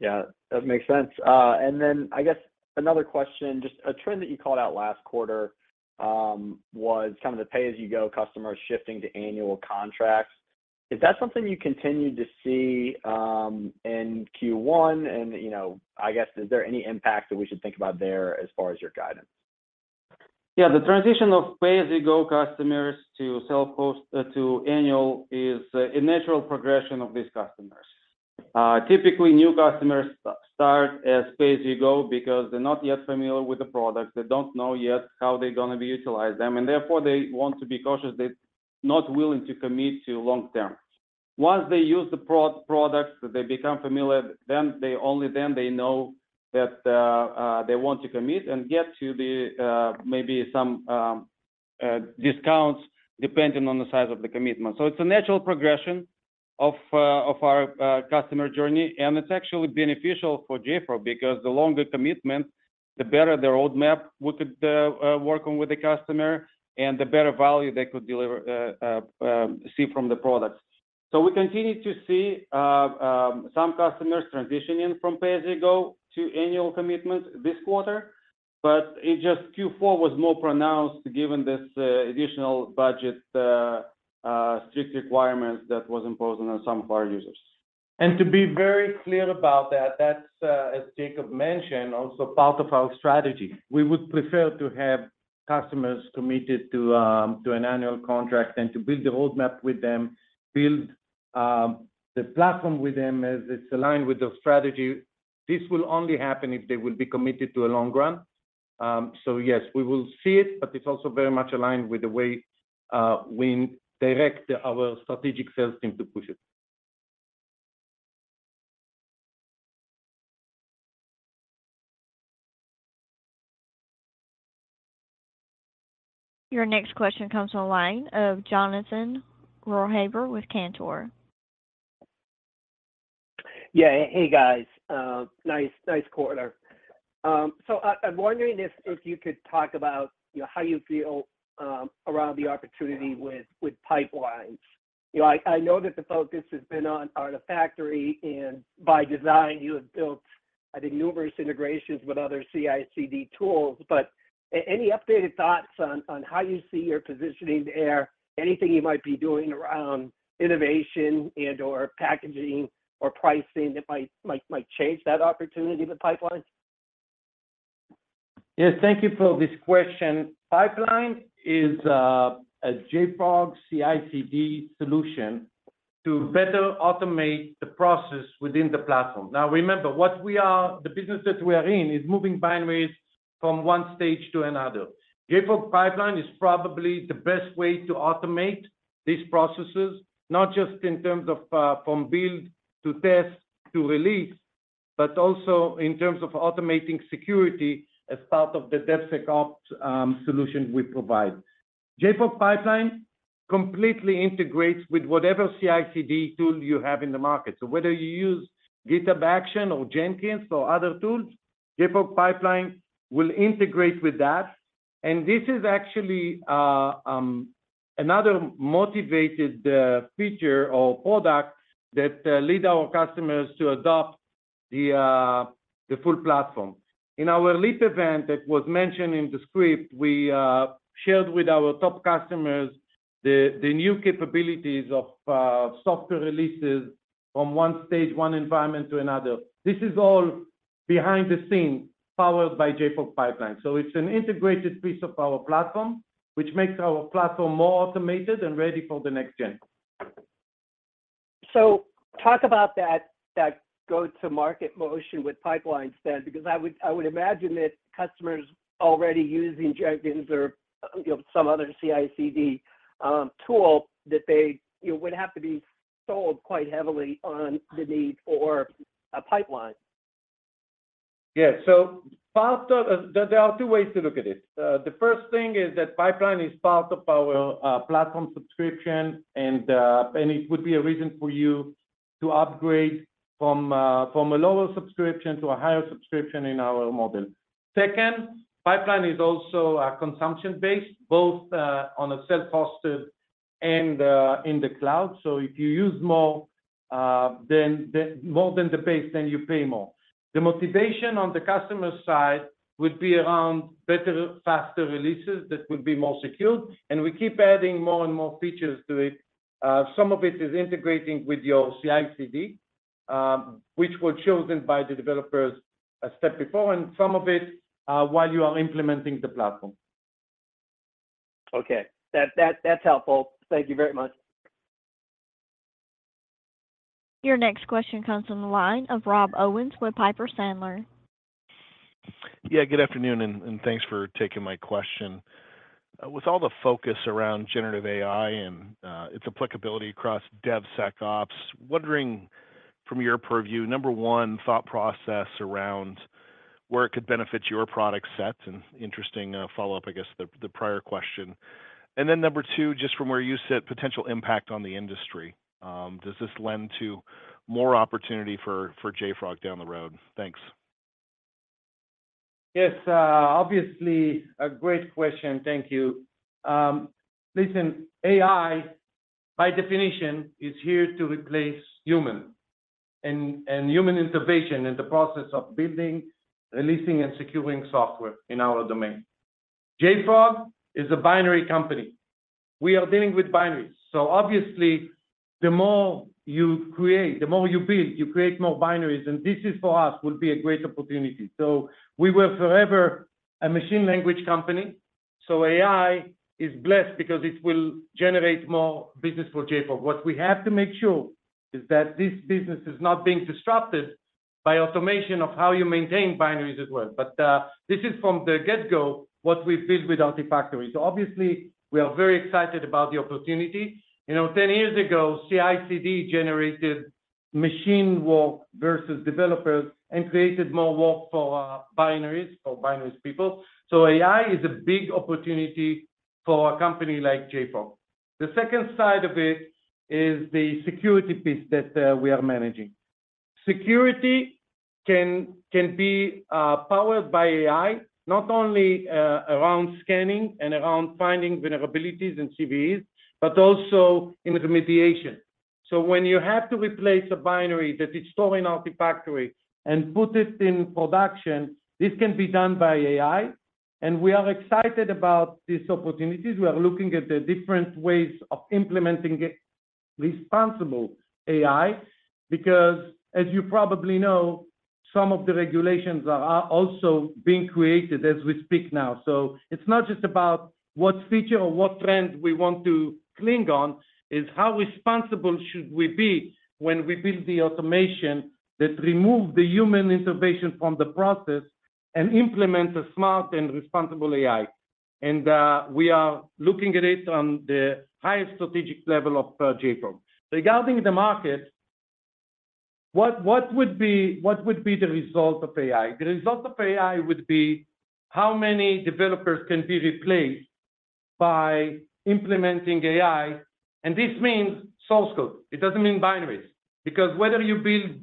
Yeah, that makes sense. I guess another question, just a trend that you called out last quarter, was some of the pay-as-you-go customers shifting to annual contracts. Is that something you continued to see, in Q1? You know, I guess, is there any impact that we should think about there as far as your guidance? Yeah. The transition of pay-as-you-go customers to self-host, to annual is a natural progression of these customers. Typically new customers start as pay-as-you-go because they're not yet familiar with the product. They don't know yet how they're gonna be utilize them, therefore they want to be cautious. They're not willing to commit to long term. Once they use the products, they become familiar, only then they know that they want to commit and get to the maybe some discounts depending on the size of the commitment. It's a natural progression of our customer journey, and it's actually beneficial for JFrog because the longer commitment, the better the roadmap we could work on with the customer and the better value they could deliver, see from the product. We continue to see some customers transitioning from pay-as-you-go to annual commitment this quarter, but it just Q4 was more pronounced given this additional budget strict requirements that was imposed on some of our users. To be very clear about that's as Jacob Shulman mentioned, also part of our strategy. We would prefer to have customers committed to an annual contract and to build the roadmap with them, build the platform with them as it's aligned with the strategy. This will only happen if they will be committed to a long run. Yes, we will see it, but it's also very much aligned with the way we direct our strategic sales team to push it. Your next question comes from the line of Jonathan Ruykhaver with Cantor. Yeah. Hey, guys. nice quarter. I'm wondering if you could talk about, you know, how you feel, around the opportunity with pipelines. You know, I know that the focus has been on Artifactory and by design you have built, I think, numerous integrations with other CI/CD tools. Any updated thoughts on how you see your positioning there, anything you might be doing around innovation and/or packaging or pricing that might change that opportunity with pipelines? Yes, thank you for this question. JFrog Pipelines is a JFrog CI/CD solution to better automate the process within the platform. Remember the business that we are in is moving binaries from one stage to another. JFrog Pipelines is probably the best way to automate these processes, not just in terms of from build to test to release, but also in terms of automating security as part of the DevSecOps solution we provide. JFrog Pipelines completely integrates with whatever CI/CD tool you have in the market. Whether you use GitHub Actions or Jenkins or other tools, JFrog Pipelines will integrate with that. This is actually another motivated feature or product that lead our customers to adopt the full platform. In our LEAP event that was mentioned in the script, we shared with our top customers the new capabilities of software releases from one stage, one environment to another. This is all behind the scenes powered by JFrog Pipelines. It's an integrated piece of our platform, which makes our platform more automated and ready for the next gen. Talk about that go-to market motion with Pipelines then, because I would imagine that customers already using Jenkins or, you know, some other CI/CD tool that they, you know, would have to be sold quite heavily on the need for a pipeline. Yeah. There are two ways to look at it. The first thing is that Pipeline is part of our platform subscription, and it would be a reason for you to upgrade from a lower subscription to a higher subscription in our model. Second, Pipeline is also consumption-based, both on a self-hosted and in the cloud. If you use more, then more than the base, then you pay more. The motivation on the customer side would be around better, faster releases that would be more secured, and we keep adding more and more features to it. Some of it is integrating with your CI/CD, which were chosen by the developers a step before, and some of it while you are implementing the platform. Okay. That's helpful. Thank you very much. Your next question comes from the line of Rob Owens with Piper Sandler. Yeah, good afternoon, and thanks for taking my question. With all the focus around generative AI and its applicability across DevSecOps, wondering from your purview, Number one, thought process around where it could benefit your product set and interesting follow-up, I guess, the prior question. Number two, just from where you sit, potential impact on the industry. Does this lend to more opportunity for JFrog down the road? Thanks. Yes. Obviously a great question. Thank you. Listen, AI by definition is here to replace human and human intervention in the process of building, releasing, and securing software in our domain. JFrog is a binary company. We are dealing with binaries. Obviously, the more you create, the more you build, you create more binaries, and this is for us would be a great opportunity. We were forever a machine language company, so AI is blessed because it will generate more business for JFrog. What we have to make sure is that this business is not being disrupted by automation of how you maintain binaries at work. This is from the get-go, what we build with Artifactory. Obviously, we are very excited about the opportunity. You know, ten years ago, CI/CD generated machine work versus developers and created more work for binaries people. AI is a big opportunity for a company like JFrog. The second side of it is the security piece that we are managing. Security can be powered by AI, not only around scanning and around finding vulnerabilities and CVEs, but also in the remediation. When you have to replace a binary that is stored in Artifactory and put it in production, this can be done by AI, and we are excited about these opportunities. We are looking at the different ways of implementing a responsible AI because, as you probably know, some of the regulations are also being created as we speak now. It's not just about what feature or what trend we want to cling on. It's how responsible should we be when we build the automation that remove the human intervention from the process and implement a smart and responsible AI. We are looking at it on the highest strategic level of JFrog. Regarding the market, what would be the result of AI? The result of AI would be how many developers can be replaced by implementing AI, and this means source code. It doesn't mean binaries. Because whether you build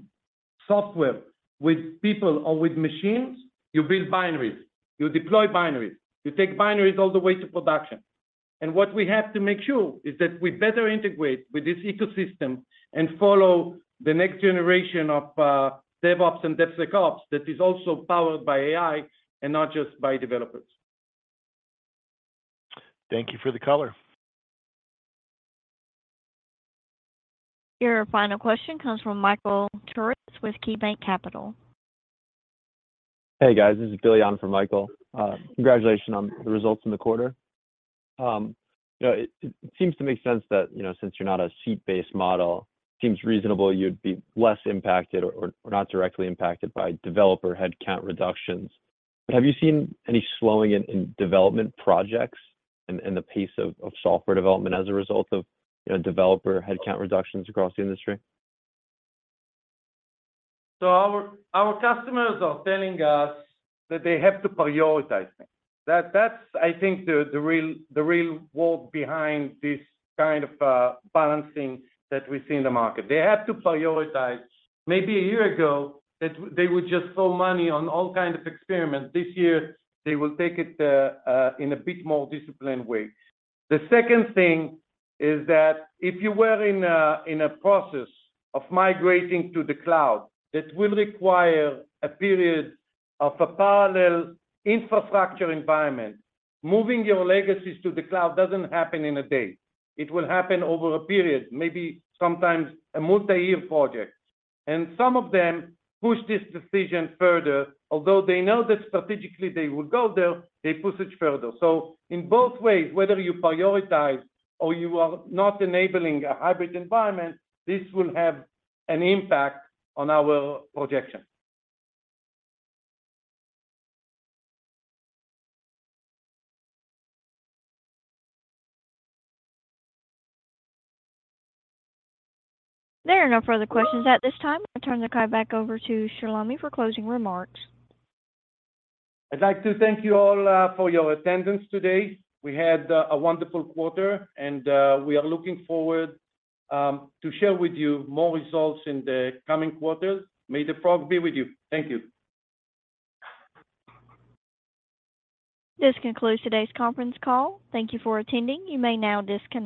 software with people or with machines, you build binaries, you deploy binaries, you take binaries all the way to production. What we have to make sure is that we better integrate with this ecosystem and follow the next generation of DevOps and DevSecOps that is also powered by AI and not just by developers. Thank you for the color. Your final question comes from Michael Turits with KeyBanc Capital. Hey, guys. This is Billy on for Michael. Congratulations on the results in the quarter. You know, it seems to make sense that, you know, since you're not a seat-based model, seems reasonable you'd be less impacted or not directly impacted by developer headcount reductions. Have you seen any slowing in development projects and the pace of software development as a result of, you know, developer headcount reductions across the industry? Our customers are telling us that they have to prioritize things. That's I think the real world behind this kind of balancing that we see in the market. They have to prioritize. Maybe a year ago that they would just throw money on all kind of experiments. This year, they will take it in a bit more disciplined way. The second thing is that if you were in a process of migrating to the cloud, that will require a period of a parallel infrastructure environment. Moving your legacies to the cloud doesn't happen in a day. It will happen over a period, maybe sometimes a multi-year project. Some of them push this decision further. Although they know that strategically they would go there, they push it further. In both ways, whether you prioritize or you are not enabling a hybrid environment, this will have an impact on our projection. There are no further questions at this time. I turn the call back over to Shlomi for closing remarks. I'd like to thank you all for your attendance today. We had a wonderful quarter and we are looking forward to share with you more results in the coming quarters. May the frog be with you. Thank you. This concludes today's conference call. Thank you for attending. You may now disconnect.